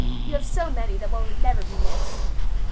you have so many that one would never be missed."